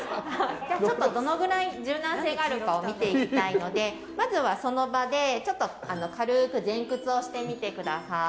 どのぐらい柔軟性があるかを見ていきたいのでまずはその場で軽く前屈をしてみてください。